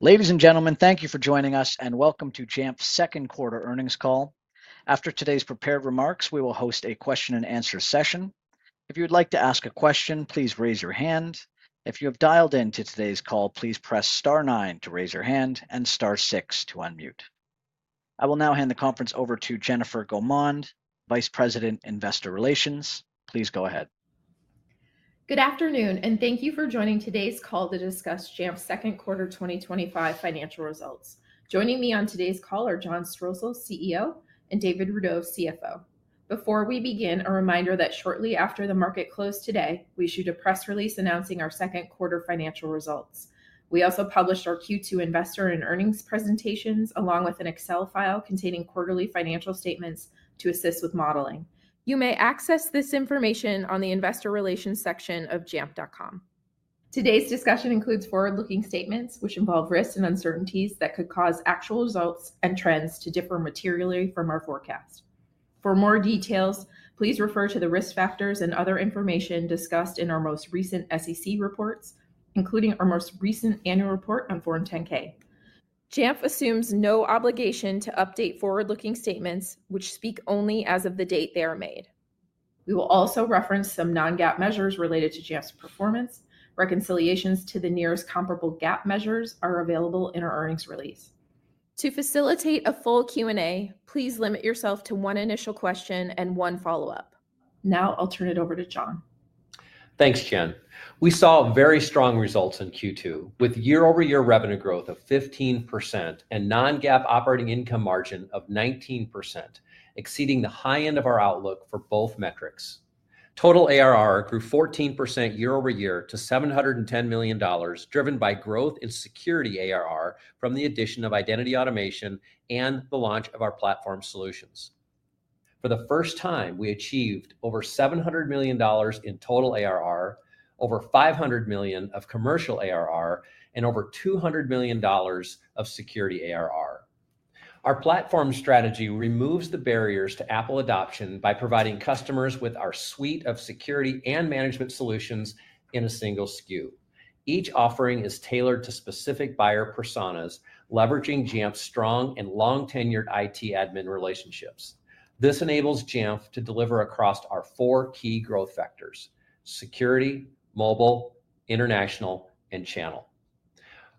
Ladies and gentlemen, thank you for joining us and Welcome to Jamf's Second Quarter Earnings Call. After today's prepared remarks, we will host a question and answer session. If you would like to ask a question, please raise your hand. If you have dialed in to today's call, please press star nine to raise your hand and star six to unmute. I will now hand the conference over to Jennifer Gaumond, Vice President, Investor Relations. Please go ahead. Good afternoon and thank you for joining today's call to discuss Jamf's second quarter 2025 financial results. Joining me on today's call are John Strosahl, CEO, and David Rudow, CFO. Before we begin, a reminder that shortly after the market close today, we issued a press release announcing our second quarter financial results. We also published our Q2 investor and earnings presentations along with an Excel file containing quarterly financial statements to assist with modeling. You may access this information on the investor relations section of jamf.com. Today's discussion includes forward-looking statements, which involve risks and uncertainties that could cause actual results and trends to differ materially from our forecast. For more details, please refer to the risk factors and other information discussed in our most recent SEC reports, including our most recent annual report on Form 10-K. Jamf assumes no obligation to update forward-looking statements, which speak only as of the date they are made. We will also reference some non-GAAP measures related to Jamf's performance. Reconciliations to the nearest comparable GAAP measures are available in our earnings release. To facilitate a full Q&A, please limit yourself to one initial question and one follow-up. Now I'll turn it over to John. Thanks, Jenn. We saw very strong results in Q2 with year-over-year revenue growth of 15% and non-GAAP operating income margin of 19%, exceeding the high end of our outlook for both metrics. Total ARR grew 14% year-over-year to $710 million, driven by growth in security ARR from the addition of Identity Automation and the launch of our platform solutions. For the first time, we achieved over $700 million in total ARR, over $500 million of commercial ARR, and over $200 million of security ARR. Our platform strategy removes the barriers to Apple adoption by providing customers with our suite of security and management solutions in a single SKU. Each offering is tailored to specific buyer personas, leveraging Jamf's strong and long-tenured IT admin relationships. This enables Jamf to deliver across our four key growth factors: security, mobile, international, and channel.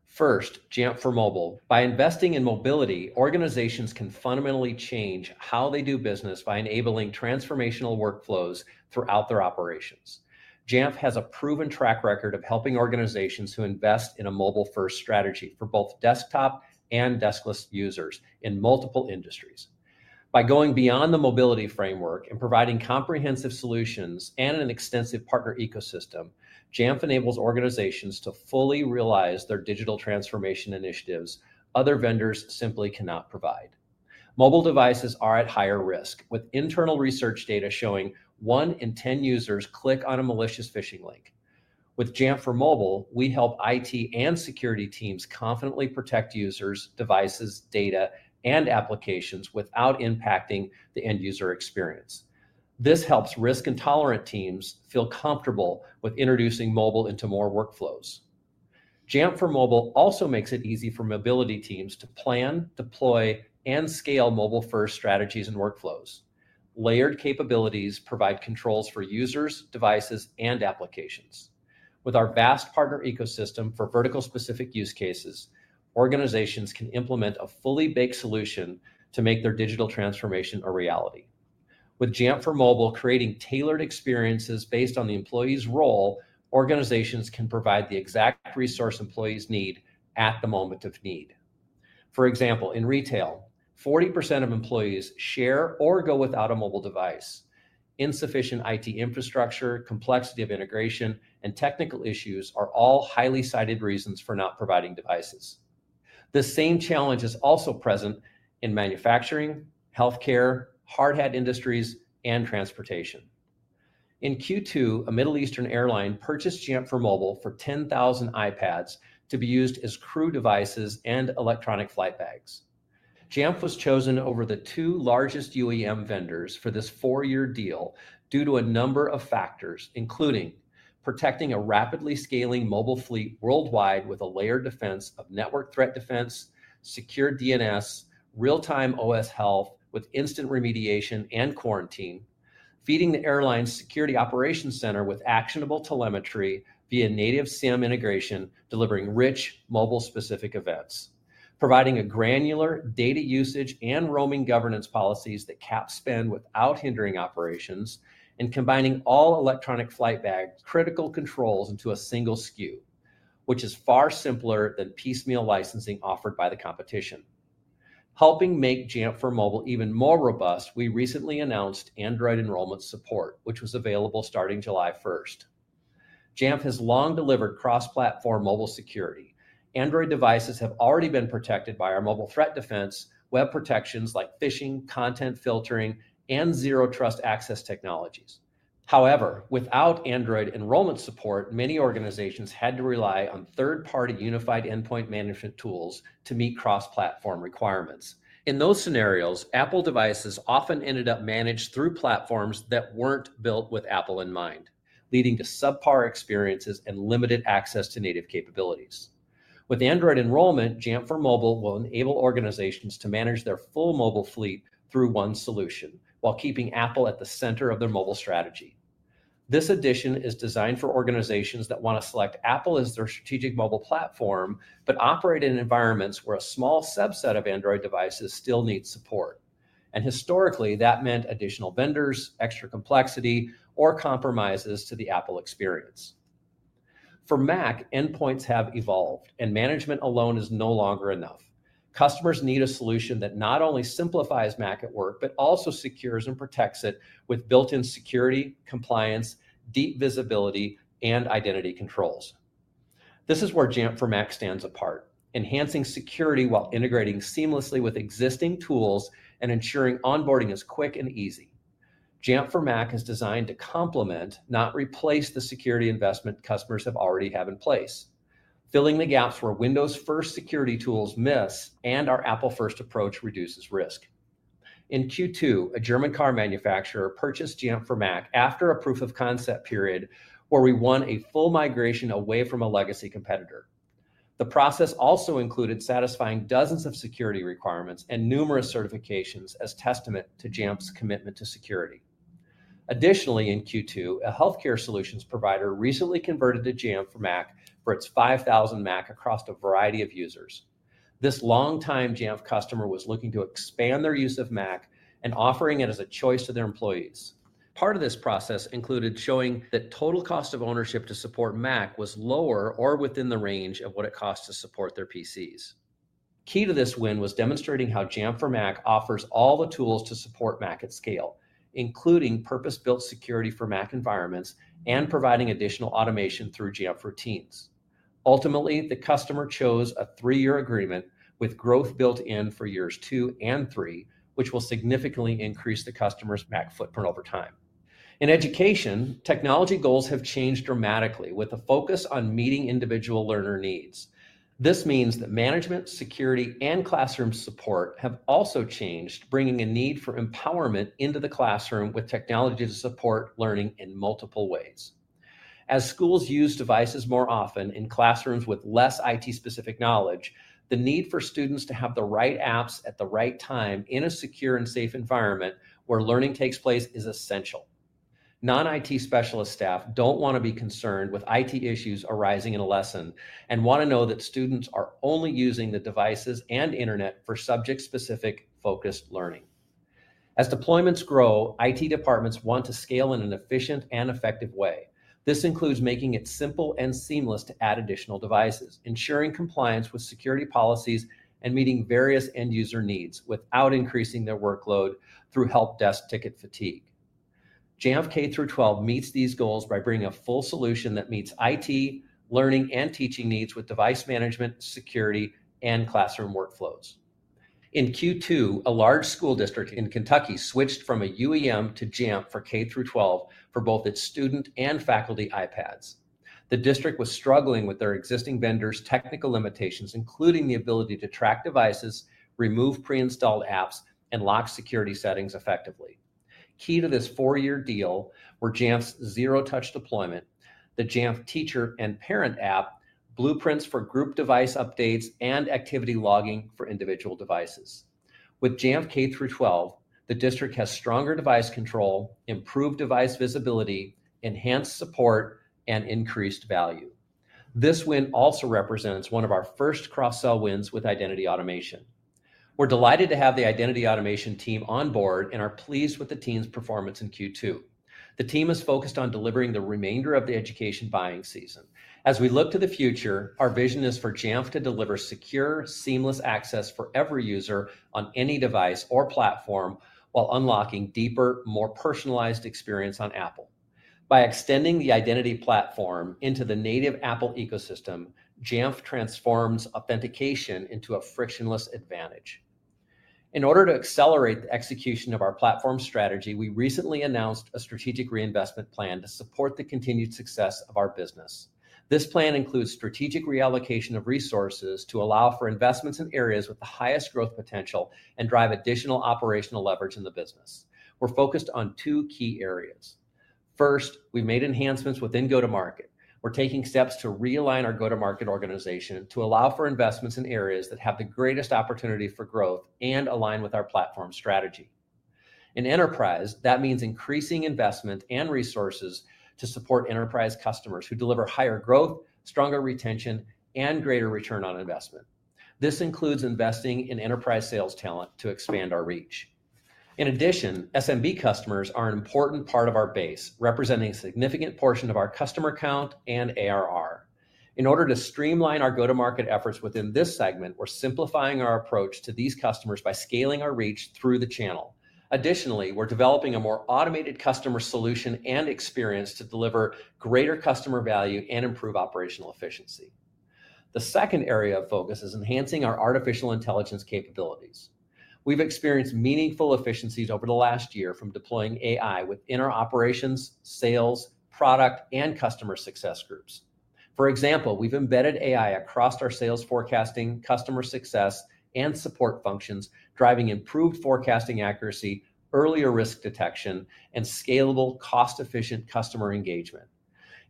First, Jamf for Mobile. By investing in mobility, organizations can fundamentally change how they do business by enabling transformational workflows throughout their operations. Jamf has a proven track record of helping organizations who invest in a mobile-first strategy for both desktop and deskless users in multiple industries. By going beyond the mobility framework and providing comprehensive solutions and an extensive partner ecosystem, Jamf enables organizations to fully realize their digital transformation initiatives other vendors simply cannot provide. Mobile devices are at higher risk, with internal research data showing one in ten users click on a malicious phishing link. With Jamf for Mobile, we help IT and security teams confidently protect users, devices, data, and applications without impacting the end user experience. This helps risk-intolerant teams feel comfortable with introducing mobile into more workflows. Jamf for Mobile also makes it easy for mobility teams to plan, deploy, and scale mobile-first strategies and workflows. Layered capabilities provide controls for users, devices, and applications. With our vast partner ecosystem for vertical-specific use cases, organizations can implement a fully baked solution to make their digital transformation a reality. With Jamf for Mobile creating tailored experiences based on the employee's role, organizations can provide the exact resource employees need at the moment of need. For example, in retail, 40% of employees share or go without a mobile device. Insufficient IT infrastructure, complexity of integration, and technical issues are all highly cited reasons for not providing devices. The same challenge is also present in manufacturing, healthcare, hardhat industries, and transportation. In Q2, a Middle Eastern airline purchased Jamf for Mobile for 10,000 iPads to be used as crew devices and electronic flight bags. Jamf was chosen over the two largest UAM vendors for this four-year deal due to a number of factors, including protecting a rapidly scaling mobile fleet worldwide with a layered defense of network threat defense, secure DNS, real-time OS health with instant remediation and quarantine, feeding the airline's security operations center with actionable telemetry via native SIEM integration, delivering rich mobile-specific events, providing a granular data usage and roaming governance policies that cap spend without hindering operations, and combining all electronic flight bag critical controls into a single SKU, which is far simpler than piecemeal licensing offered by the competition. Helping make Jamf for Mobile even more robust, we recently announced Android enrollment support, which was available starting July 1st. Jamf has long delivered cross-platform mobile security. Android devices have already been protected by our mobile threat defense, web protections like phishing, content filtering, and zero trust access technologies. However, without Android enrollment support, many organizations had to rely on third-party unified endpoint management tools to meet cross-platform requirements. In those scenarios, Apple devices often ended up managed through platforms that weren't built with Apple in mind, leading to subpar experiences and limited access to native capabilities. With Android enrollment, Jamf for Mobile will enable organizations to manage their full mobile fleet through one solution while keeping Apple at the center of their mobile strategy. This addition is designed for organizations that want to select Apple as their strategic mobile platform but operate in environments where a small subset of Android devices still need support. Historically, that meant additional vendors, extra complexity, or compromises to the Apple experience. For Mac, endpoints have evolved, and management alone is no longer enough. Customers need a solution that not only simplifies Mac at work but also secures and protects it with built-in security, compliance, deep visibility, and identity controls. This is where Jamf for Mac stands apart, enhancing security while integrating seamlessly with existing tools and ensuring onboarding is quick and easy. Jamf for Mac is designed to complement, not replace, the security investment customers already have in place, filling the gaps where Windows-first security tools miss and our Apple-first approach reduces risk. In Q2, a German car manufacturer purchased Jamf for Mac after a proof of concept period where we won a full migration away from a legacy competitor. The process also included satisfying dozens of security requirements and numerous certifications as a testament to Jamf's commitment to security. Additionally, in Q2, a healthcare solutions provider recently converted to Jamf for Mac for its 5,000 Mac across a variety of users. This long-time Jamf customer was looking to expand their use of Mac and offering it as a choice to their employees. Part of this process included showing that the total cost of ownership to support Mac was lower or within the range of what it costs to support their PCs. Key to this win was demonstrating how Jamf for Mac offers all the tools to support Mac at scale, including purpose-built security for Mac environments and providing additional automation through Jamf Routines. Ultimately, the customer chose a three-year agreement with growth built in for years two and three, which will significantly increase the customer's Mac footprint over time. In education, technology goals have changed dramatically with a focus on meeting individual learner needs. This means that management, security, and classroom support have also changed, bringing a need for empowerment into the classroom with technology to support learning in multiple ways. As schools use devices more often in classrooms with less IT-specific knowledge, the need for students to have the right apps at the right time in a secure and safe environment where learning takes place is essential. Non-IT specialist staff don't want to be concerned with IT issues arising in a lesson and want to know that students are only using the devices and internet for subject-specific focused learning. As deployments grow, IT departments want to scale in an efficient and effective way. This includes making it simple and seamless to add additional devices, ensuring compliance with security policies, and meeting various end user needs without increasing their workload through help desk ticket fatigue. Jamf K-12 meets these goals by bringing a full solution that meets IT, learning, and teaching needs with device management, security, and classroom workflows. In Q2, a large school district in Kentucky switched from a UEM to Jamf for K-12 for both its student and faculty iPads. The district was struggling with their existing vendors' technical limitations, including the ability to track devices, remove pre-installed apps, and lock security settings effectively. Key to this four-year deal were Jamf's zero-touch deployment, the Jamf Teacher and Parent app, Blueprints for group device updates, and activity logging for individual devices. With Jamf K-12, the district has stronger device control, improved device visibility, enhanced support, and increased value. This win also represents one of our first cross-sell wins with Identity Automation. We're delighted to have the Identity Automation team on board and are pleased with the team's performance in Q2. The team is focused on delivering the remainder of the education buying season. As we look to the future, our vision is for Jamf to deliver secure, seamless access for every user on any device or platform while unlocking deeper, more personalized experience on Apple. By extending the identity platform into the native Apple ecosystem, Jamf transforms authentication into a frictionless advantage. In order to accelerate the execution of our platform strategy, we recently announced a strategic reinvestment plan to support the continued success of our business. This plan includes strategic reallocation of resources to allow for investments in areas with the highest growth potential and drive additional operational leverage in the business. We're focused on two key areas. First, we've made enhancements within go-to-market. We're taking steps to realign our go-to-market organization to allow for investments in areas that have the greatest opportunity for growth and align with our platform strategy. In enterprise, that means increasing investment and resources to support enterprise customers who deliver higher growth, stronger retention, and greater return on investment. This includes investing in enterprise sales talent to expand our reach. In addition, SMB customers are an important part of our base, representing a significant portion of our customer count and ARR. In order to streamline our go-to-market efforts within this segment, we're simplifying our approach to these customers by scaling our reach through the channel. Additionally, we're developing a more automated customer solution and experience to deliver greater customer value and improve operational efficiency. The second area of focus is enhancing our artificial intelligence capabilities. We've experienced meaningful efficiencies over the last year from deploying AI within our operations, sales, product, and customer success groups. For example, we've embedded AI across our sales forecasting, customer success, and support functions, driving improved forecasting accuracy, earlier risk detection, and scalable, cost-efficient customer engagement.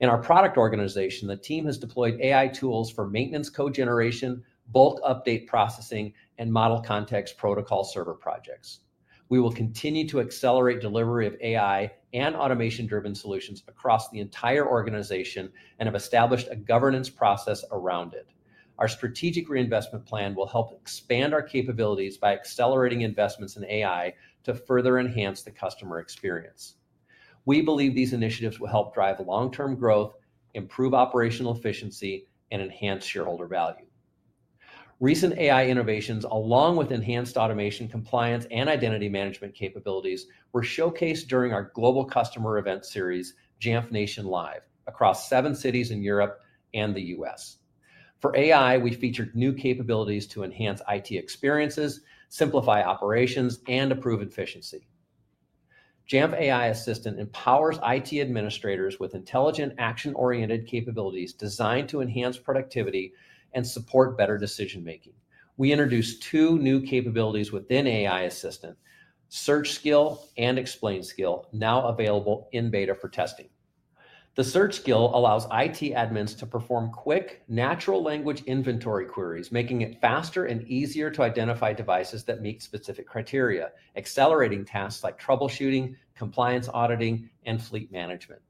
In our product organization, the team has deployed AI tools for maintenance code generation, bulk update processing, and model context protocol server projects. We will continue to accelerate delivery of AI and automation-driven solutions across the entire organization and have established a governance process around it. Our strategic reinvestment plan will help expand our capabilities by accelerating investments in AI to further enhance the customer experience. We believe these initiatives will help drive long-term growth, improve operational efficiency, and enhance shareholder value. Recent AI innovations, along with enhanced automation, compliance, and identity management capabilities, were showcased during our global customer event series, Jamf Nation Live, across seven cities in Europe and the U.S. For AI, we featured new capabilities to enhance IT experiences, simplify operations, and improve efficiency. Jamf AI Assistant empowers IT administrators with intelligent, action-oriented capabilities designed to enhance productivity and support better decision-making. We introduced two new capabilities within AI Assistant: Search Skill and Explain Skill, now available in beta for testing. The Search Skill allows IT admins to perform quick, natural language inventory queries, making it faster and easier to identify devices that meet specific criteria, accelerating tasks like troubleshooting, compliance auditing, and fleet management.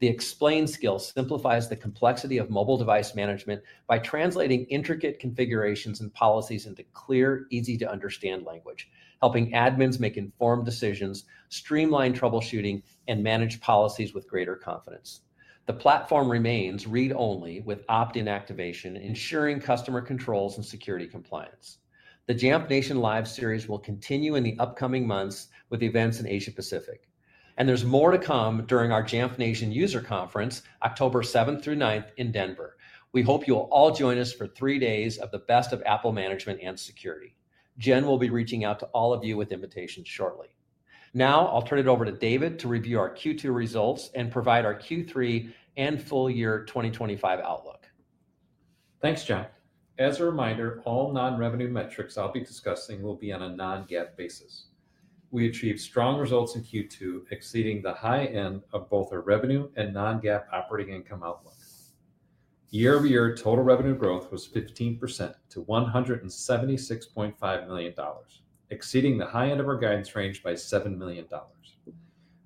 The Explain Skill simplifies the complexity of mobile device management by translating intricate configurations and policies into clear, easy-to-understand language, helping admins make informed decisions, streamline troubleshooting, and manage policies with greater confidence. The platform remains read-only with opt-in activation, ensuring customer controls and security compliance. The Jamf Nation Live series will continue in the upcoming months with events in Asia-Pacific. There is more to come during our Jamf Nation User Conference, October 7th through 9th in Denver. We hope you'll all join us for three days of the best of Apple management and security. Jenn will be reaching out to all of you with invitations shortly. Now I'll turn it over to David to review our Q2 results and provide our Q3 and full-year 2025 outlook. Thanks, John. As a reminder, all non-revenue metrics I'll be discussing will be on a non-GAAP basis. We achieved strong results in Q2, exceeding the high end of both our revenue and non-GAAP operating income outlook. Year-over-year total revenue growth was 15% to $176.5 million, exceeding the high end of our guidance range by $7 million.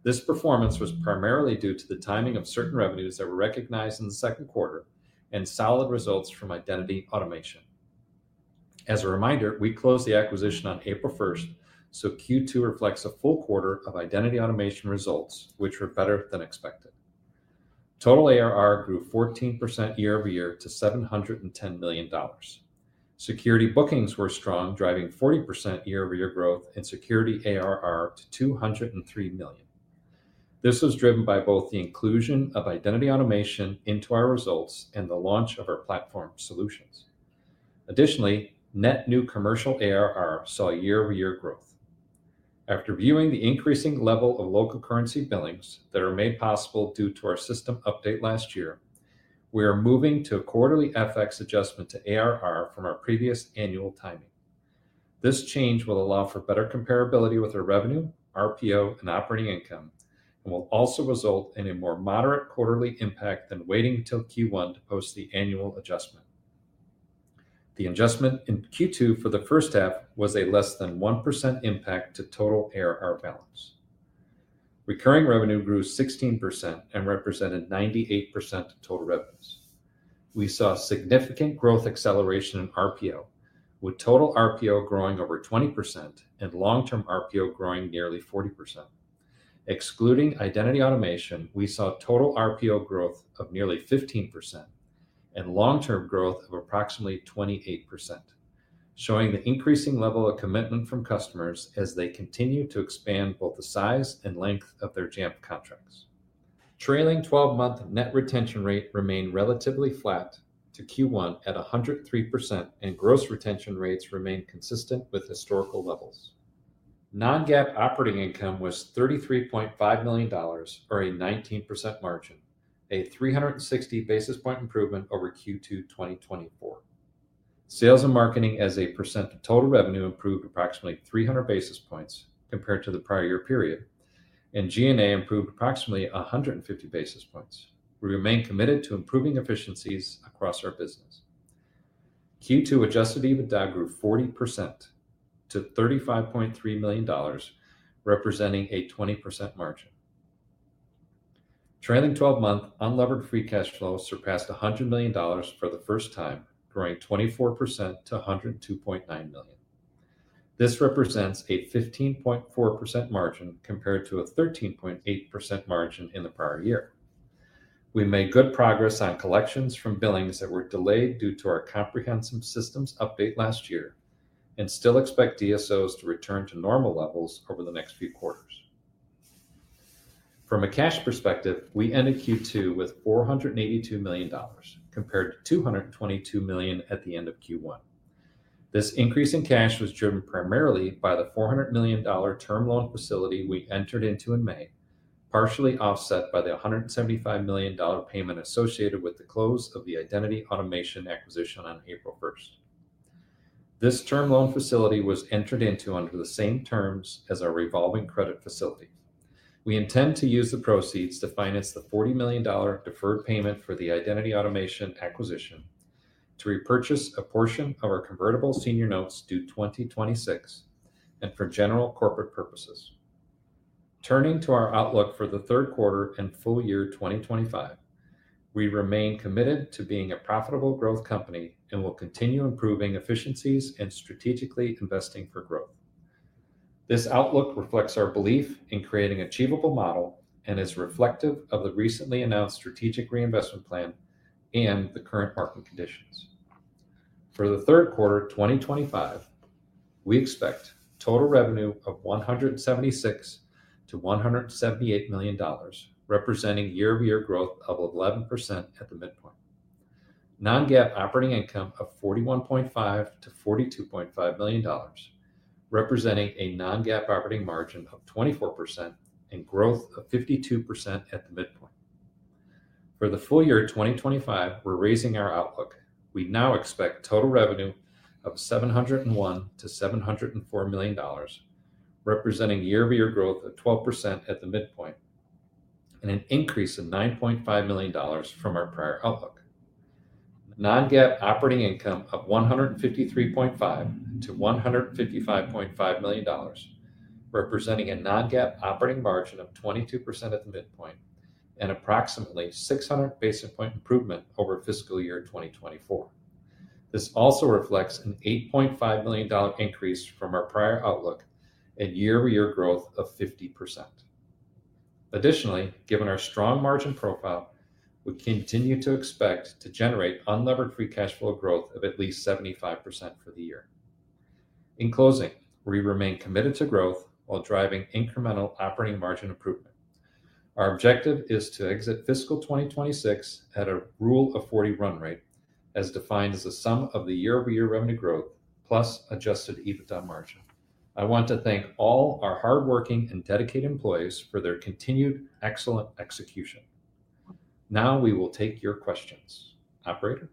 This performance was primarily due to the timing of certain revenues that were recognized in the second quarter and solid results from Identity Automation. As a reminder, we closed the acquisition on April 1st, so Q2 reflects a full quarter of Identity Automation results, which were better than expected. Total ARR grew 14% year-over-year to $710 million. Security bookings were strong, driving 40% year-over-year growth and security ARR to $203 million. This was driven by both the inclusion of Identity Automation into our results and the launch of our platform solutions. Additionally, net new commercial ARR saw year-over-year growth. After viewing the increasing level of local currency billings that are made possible due to our system update last year, we are moving to a quarterly FX adjustment to ARR from our previous annual timing. This change will allow for better comparability with our revenue, RPO, and operating income, and will also result in a more moderate quarterly impact than waiting until Q1 to post the annual adjustment. The adjustment in Q2 for the first half was a less than 1% impact to total ARR balance. Recurring revenue grew 16% and represented 98% of total revenues. We saw significant growth acceleration in RPO, with total RPO growing over 20% and long-term RPO growing nearly 40%. Excluding Identity Automation, we saw total RPO growth of nearly 15% and long-term growth of approximately 28%, showing the increasing level of commitment from customers as they continue to expand both the size and length of their Jamf contracts. Trailing 12-month net retention rate remained relatively flat to Q1 at 103%, and gross retention rates remained consistent with historical levels. Non-GAAP operating income was $33.5 million, or a 19% margin, a 360 basis point improvement over Q2 2024. Sales and marketing as a percent of total revenue improved approximately 300 basis points compared to the prior year period, and G&A improved approximately 150 basis points. We remain committed to improving efficiencies across our business. Q2 adjusted EBITDA grew 40% to $35.3 million, representing a 20% margin. Trailing 12-month unlevered free cash flow surpassed $100 million for the first time, growing 24% to $102.9 million. This represents a 15.4% margin compared to a 13.8% margin in the prior year. We made good progress on collections from billings that were delayed due to our comprehensive systems update last year and still expect DSOs to return to normal levels over the next few quarters. From a cash perspective, we ended Q2 with $482 million compared to $222 million at the end of Q1. This increase in cash was driven primarily by the $400 million term loan facility we entered into in May, partially offset by the $175 million payment associated with the close of the Identity Automation acquisition on April 1st. This term loan facility was entered into under the same terms as our revolving credit facility. We intend to use the proceeds to finance the $40 million deferred payment for the Identity Automation acquisition, to repurchase a portion of our convertible senior notes due 2026, and for general corporate purposes. Turning to our outlook for the third quarter and full year 2025, we remain committed to being a profitable growth company and will continue improving efficiencies and strategically investing for growth. This outlook reflects our belief in creating an achievable model and is reflective of the recently announced strategic reinvestment plan and the current market conditions. For the third quarter 2025, we expect total revenue of $176 to $178 million, representing year-over-year growth of 11% at the midpoint. Non-GAAP operating income of $41.5 to $42.5 million, representing a non-GAAP operating margin of 24% and growth of 52% at the midpoint. For the full year 2025, we're raising our outlook. We now expect total revenue of $701 to $704 million, representing year-over-year growth of 12% at the midpoint and an increase of $9.5 million from our prior outlook. Non-GAAP operating income of $153.5 to $155.5 million, representing a non-GAAP operating margin of 22% at the midpoint and approximately 600 basis point improvement over fiscal year 2024. This also reflects an $8.5 million increase from our prior outlook and year-over-year growth of 50%. Additionally, given our strong margin profile, we continue to expect to generate unlevered free cash flow growth of at least 75% for the year. In closing, we remain committed to growth while driving incremental operating margin improvement. Our objective is to exit fiscal 2026 at a rule of 40 run rate, as defined as the sum of the year-over-year revenue growth plus adjusted EBITDA margin. I want to thank all our hardworking and dedicated employees for their continued excellent execution. Now we will take your questions. Operator?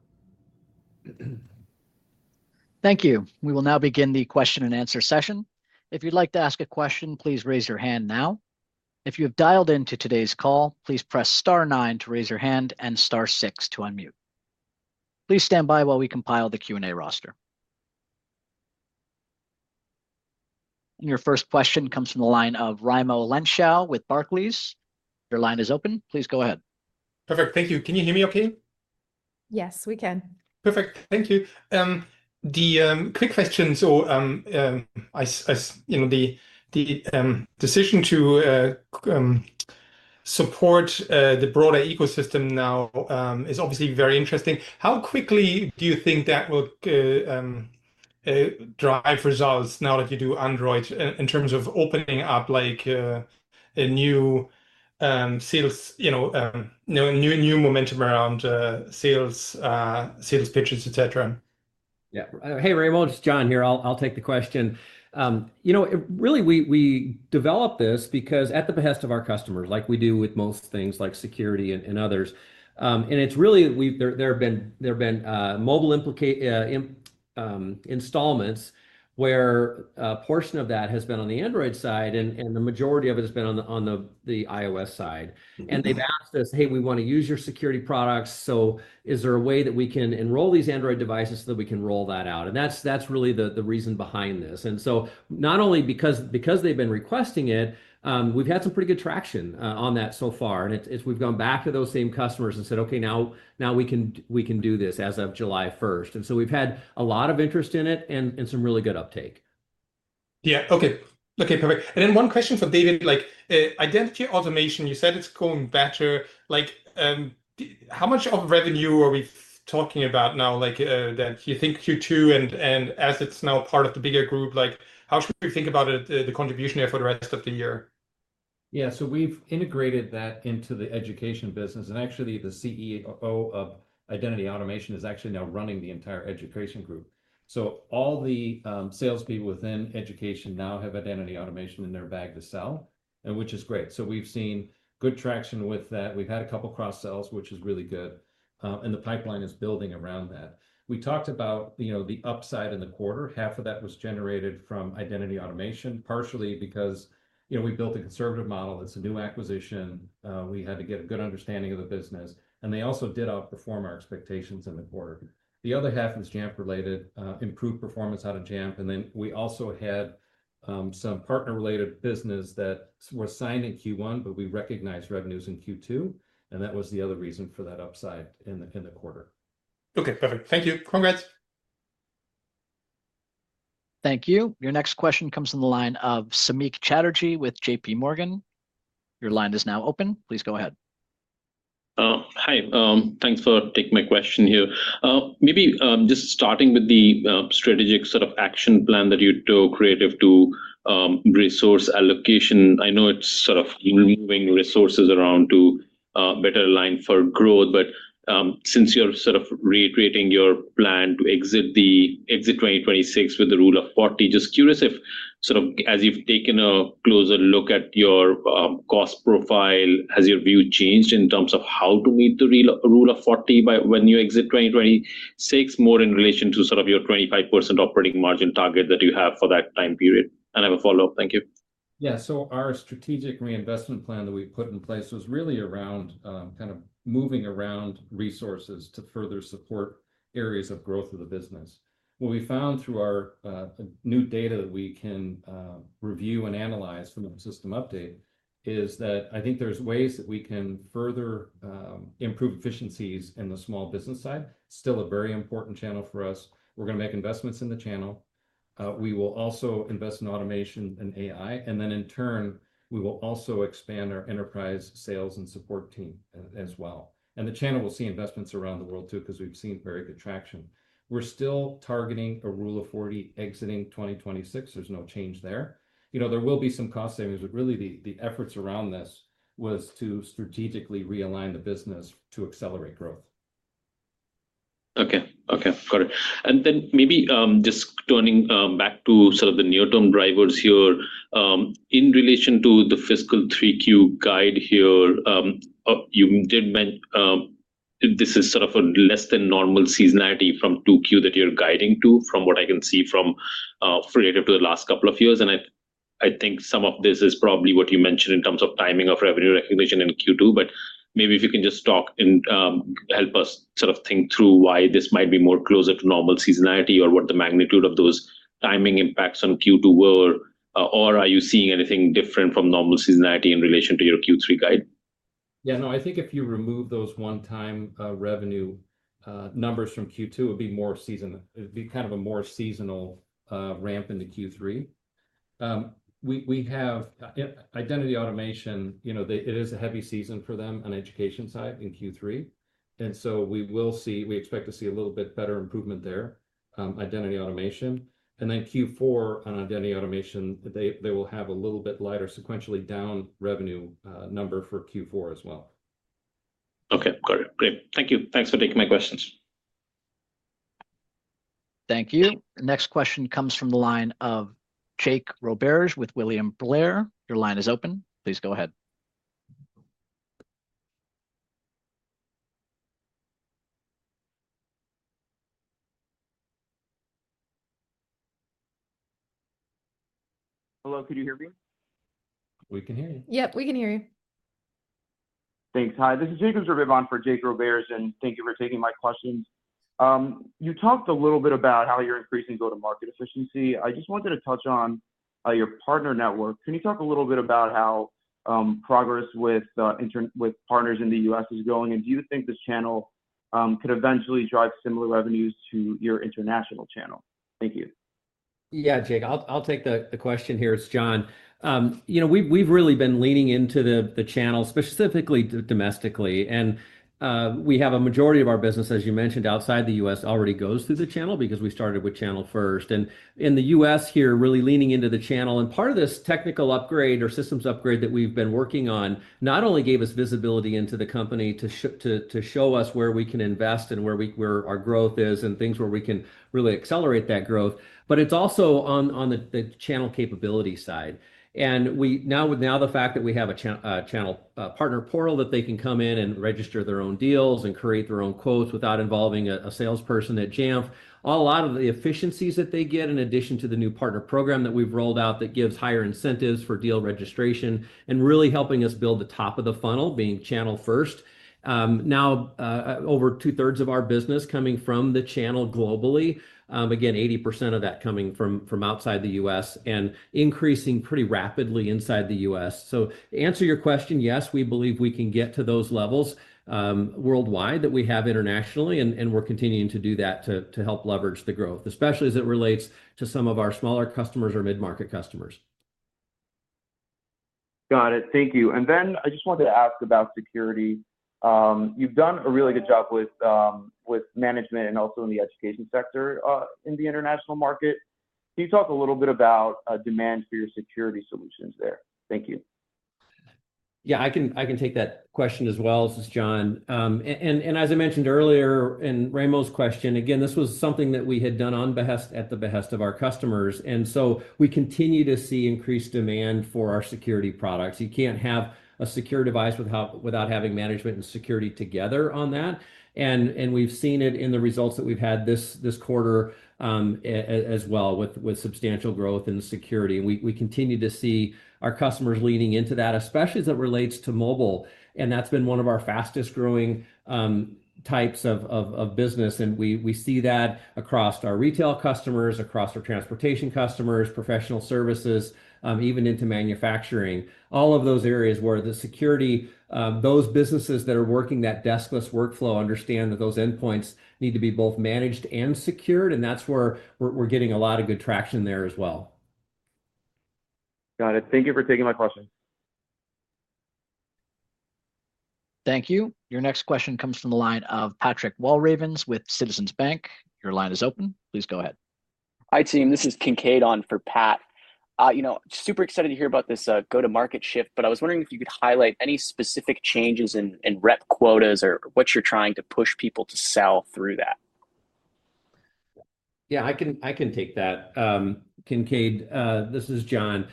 Thank you. We will now begin the question and answer session. If you'd like to ask a question, please raise your hand now. If you have dialed into today's call, please press star nine to raise your hand and star six to unmute. Please stand by while we compile the Q&A roster. Your first question comes from the line of Raimo Lenschow with Barclays. Your line is open. Please go ahead. Perfect. Thank you. Can you hear me OK? Yes, we can. Perfect. Thank you. Quick question, the decision to support the broader ecosystem now is obviously very interesting. How quickly do you think that will drive results now that you do Android in terms of opening up a new sales, new momentum around sales pitches, etc? Yeah. Hey, Raimo. It's John here. I'll take the question. You know, really, we developed this because at the behest of our customers, like we do with most things like security and others. It's really there have been mobile installments where a portion of that has been on the Android side, and the majority of it has been on the iOS side. They've asked us, hey, we want to use your security products. Is there a way that we can enroll these Android devices so that we can roll that out? That's really the reason behind this. Not only because they've been requesting it, we've had some pretty good traction on that so far. We've gone back to those same customers and said, OK, now we can do this as of July 1st. We've had a lot of interest in it and some really good uptake. OK, perfect. One question for David. Like Identity Automation, you said it's going better. How much of revenue are we talking about now, that you think Q2, and as it's now part of the bigger group, how should we think about the contribution effort the rest of the year? Yeah, we've integrated that into the education business. The CEO of Identity Automation is actually now running the entire education group. All the salespeople within education now have Identity Automation in their bag to sell, which is great. We've seen good traction with that. We've had a couple of cross-sells, which is really good, and the pipeline is building around that. We talked about the upside in the quarter. Half of that was generated from Identity Automation, partially because we built a conservative model. It's a new acquisition. We had to get a good understanding of the business. They also did outperform our expectations in the quarter. The other half is Jamf-related, improved performance out of Jamf. We also had some partner-related business that were signed in Q1, but we recognized revenues in Q2. That was the other reason for that upside in the quarter. OK, perfect. Thank you. Congrats. Thank you. Your next question comes from the line of Samik Chatterjee with JPMorgan. Your line is now open. Please go ahead. Hi. Thanks for taking my question here. Maybe just starting with the strategic sort of action plan that you took relative to resource allocation. I know it's sort of moving resources around to better align for growth. Since you're sort of reiterating your plan to exit fiscal 2026 with the rule of 40, just curious if as you've taken a closer look at your cost profile, has your view changed in terms of how to meet the rule of 40 when you exit fiscal 2026, more in relation to your 25% operating margin target that you have for that time period? I have a follow-up. Thank you. Yeah, so our strategic reinvestment plan that we put in place was really around kind of moving around resources to further support areas of growth of the business. What we found through our new data that we can review and analyze from the system update is that I think there's ways that we can further improve efficiencies in the small business side. Still a very important channel for us. We're going to make investments in the channel. We will also invest in automation and AI. In turn, we will also expand our enterprise sales and support team as well. The channel will see investments around the world too, because we've seen very good traction. We're still targeting a rule of 40 exiting 2026. There's no change there. There will be some cost savings, but really the efforts around this were to strategically realign the business to accelerate growth. OK. Got it. Maybe just turning back to sort of the near-term drivers here, in relation to the fiscal 3Q guide, you did mention this is sort of a less than normal seasonality from 2Q that you're guiding to, from what I can see relative to the last couple of years. I think some of this is probably what you mentioned in terms of timing of revenue recognition in Q2. Maybe if you can just talk and help us sort of think through why this might be more closer to normal seasonality or what the magnitude of those timing impacts on Q2 were, or are you seeing anything different from normal seasonality in relation to your Q3 guide? Yeah, no, I think if you remove those one-time revenue numbers from Q2, it would be more seasonal. It would be kind of a more seasonal ramp into Q3. We have Identity Automation, you know, it is a heavy season for them on the education side in Q3. We expect to see a little bit better improvement there, Identity Automation. In Q4 on Identity Automation, they will have a little bit lighter sequentially down revenue number for Q4 as well. OK. Got it. Great. Thank you. Thanks for taking my questions. Thank you. Next question comes from the line of Jake Roberge with William Blair. Your line is open. Please go ahead. Hello. Can you hear me? We can hear you. Yep, we can hear you. Thanks. Hi. This is Jacob Zerbib for Jake Roberge and thank you for taking my question. You talked a little bit about how you're increasing go-to-market efficiency. I just wanted to touch on your partner network. Can you talk a little bit about how progress with partners in the United States is going? Do you think this channel could eventually drive similar revenues to your international channel? Thank you. Yeah, Jake, I'll take the question here. It's John. We've really been leaning into the channel, specifically domestically. We have a majority of our business, as you mentioned, outside the U.S. already goes through the channel because we started with channel first. In the U.S. here, really leaning into the channel. Part of this technical upgrade or systems upgrade that we've been working on not only gave us visibility into the company to show us where we can invest and where our growth is and things where we can really accelerate that growth, but it's also on the channel capability side. Now the fact that we have a channel partner portal that they can come in and register their own deals and create their own quotes without involving a salesperson at Jamf, a lot of the efficiencies that they get in addition to the new partner program that we've rolled out that gives higher incentives for deal registration and really helping us build the top of the funnel, being channel first. Now over 2/3 of our business coming from the channel globally, again, 80% of that coming from outside the U.S. and increasing pretty rapidly inside the U.S. To answer your question, yes, we believe we can get to those levels worldwide that we have internationally. We're continuing to do that to help leverage the growth, especially as it relates to some of our smaller customers or mid-market customers. Got it. Thank you. I just wanted to ask about security. You've done a really good job with management and also in the education sector in the international market. Can you talk a little bit about demand for your security solutions there? Thank you. Yeah, I can take that question as well. This is John. As I mentioned earlier in Raimo's question, this was something that we had done at the behest of our customers. We continue to see increased demand for our security products. You can't have a secure device without having management and security together on that. We've seen it in the results that we've had this quarter as well with substantial growth in the security. We continue to see our customers leaning into that, especially as it relates to mobile. That's been one of our fastest growing types of business. We see that across our retail customers, across our transportation customers, professional services, even into manufacturing, all of those areas where the security, those businesses that are working that deskless workflow understand that those endpoints need to be both managed and secured. That's where we're getting a lot of good traction there as well. Got it. Thank you for taking my question. Thank you. Your next question comes from the line of Patrick Walravens with Citizens Bank. Your line is open. Please go ahead. Hi, team. This is Kincaid on for Pat. You know, super excited to hear about this go-to-market shift. I was wondering if you could highlight any specific changes in rep quotas or what you're trying to push people to sell through that. Yeah, I can take that. Kincaid, this is John.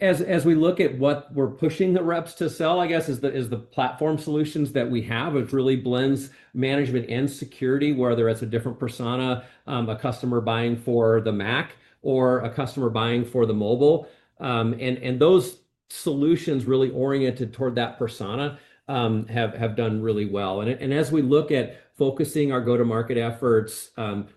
As we look at what we're pushing the reps to sell, I guess, is the platform solutions that we have. It really blends management and security, whether it's a different persona, a customer buying for the Mac, or a customer buying for the mobile. Those solutions really oriented toward that persona have done really well. As we look at focusing our go-to-market efforts,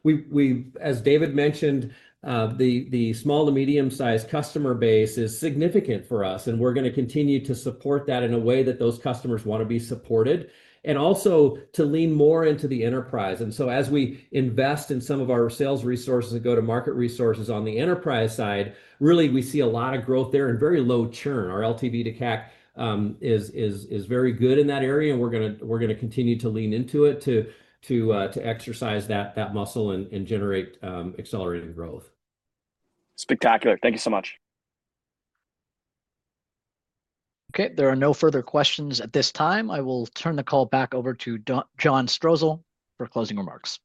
we, as David mentioned, the small to medium-sized customer base is significant for us. We're going to continue to support that in a way that those customers want to be supported and also to lean more into the enterprise. As we invest in some of our sales resources and go-to-market resources on the enterprise side, really, we see a lot of growth there and very low churn. Our LTV to CAC is very good in that area. We're going to continue to lean into it to exercise that muscle and generate accelerated growth. Spectacular. Thank you so much. OK. There are no further questions at this time. I will turn the call back over to John Strosahl for closing remarks.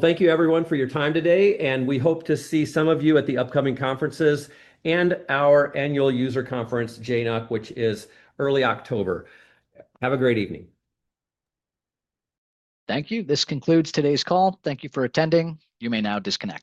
Thank you, everyone, for your time today. We hope to see some of you at the upcoming conferences and our annual user conference JNUC, which is early October. Have a great evening. Thank you. This concludes today's call. Thank you for attending. You may now disconnect.